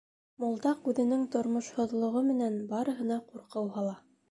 Мулдаҡ үҙенең тормошһоҙлоғо менән барыһына ҡурҡыу һала.